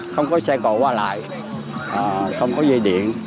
không có xe cầu qua lại không có dây điện